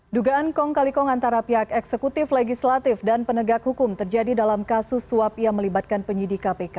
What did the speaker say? dugaan kong kali kong antara pihak eksekutif legislatif dan penegak hukum terjadi dalam kasus suap yang melibatkan penyidik kpk